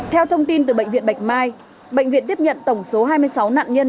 theo thông tin từ bệnh viện bạch mai bệnh viện tiếp nhận tổng số hai mươi sáu nạn nhân